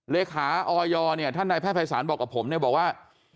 เลขาออยเนี่ยท่านนายแพทย์ภัยศาลบอกกับผมเนี่ยบอกว่า